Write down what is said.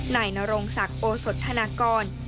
นายนรงศักดิ์โอสธนากร